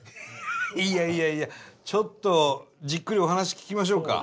いやいやいやちょっとじっくりお話聞きましょうか。